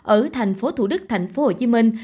ở thành phố thủ đức thành phố hồ chí minh